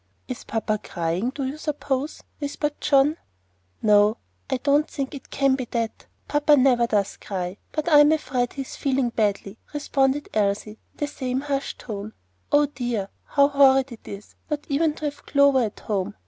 "Is papa crying, do you suppose?" whispered John. "No, I don't think it can be that. Papa never does cry; but I'm afraid he's feeling badly," responded Elsie, in the same hushed tone. "Oh, dear, how horrid it is not even to have Clover at home!